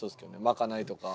まかないとか。